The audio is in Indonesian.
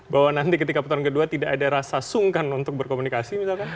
bahwa nanti ketika putaran kedua tidak ada rasa sungkan untuk berkomunikasi misalkan